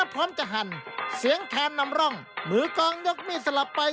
โปรดติดตามตอนต่อไป